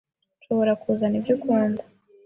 Nshobora kuzana ibyo ukunda